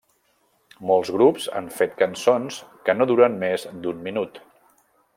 Molts grups han fet cançons que no duren més d'un minut.